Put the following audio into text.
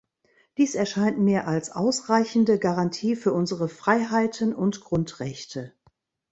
Dies erscheint mir als ausreichende Garantie für unserer Freiheiten und Grundrechte.